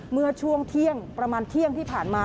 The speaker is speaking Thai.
เมื่อช่วงเที่ยงประมาณเที่ยงที่ผ่านมา